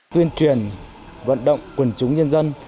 tuyên truyền vận động quần chúng nhân dân